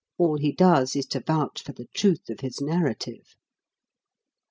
All he does is to vouch for the truth of his narrative.